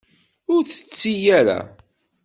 Ur tetti ara.